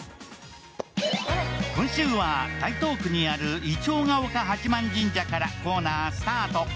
今週は台東区にある銀杏岡八幡神社からコーナーはスタート。